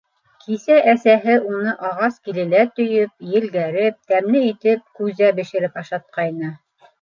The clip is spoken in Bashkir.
Кисә әсәһе уны ағас килелә төйөп,- елгәреп, тәмле итеп күзә бешереп ашатҡайны.